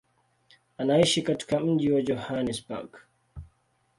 Anaishi katika mji wa Johannesburg.